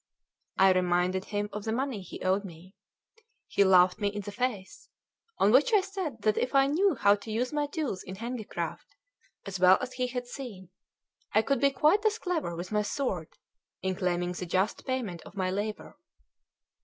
I reminded him of the money he owed me. He laughed me in the face; on which I said that if I knew how to use my tools in handicraft as well as he had seen, I could be quite as clever with my sword in claiming the just payment of my labour.